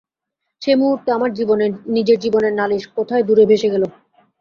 সেই মুহূর্তে আমার নিজের জীবনের নালিশ কোথায় দূরে ভেসে গেল।